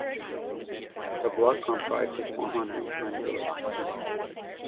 The block comprises one hundred and twenty villages.